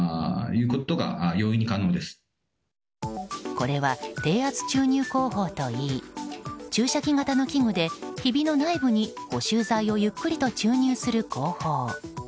これは、低圧注入工法といい注射器型の器具で、ひびの内部に補修材をゆっくりと注入する工法。